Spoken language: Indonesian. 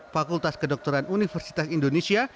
fakultas kedokteran universitas indonesia